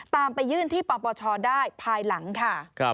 ไปยื่นที่ปปชได้ภายหลังค่ะ